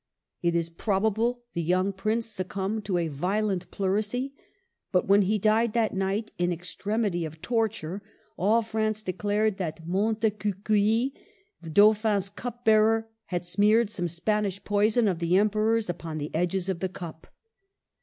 It is probable the young prince succumbed to a violent pleurisy. But when he died that night in extremity of torture, all France declared that Montecuculi, the Dauphin's cup bearer, had smeared some Spanish poison of the Emperor's upon the edges of the cup.